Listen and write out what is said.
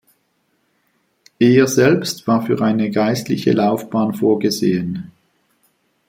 Er selbst war für eine geistliche Laufbahn vorgesehen.